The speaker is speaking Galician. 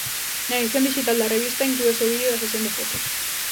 Na edición dixital da revista inclúese o vídeo da sesión de fotos.